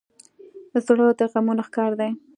زړه د غمونو ښکار دی.